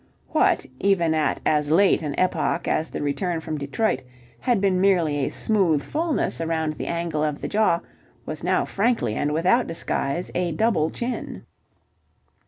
What, even at as late an epoch as the return from Detroit, had been merely a smooth fullness around the angle of the jaw was now frankly and without disguise a double chin.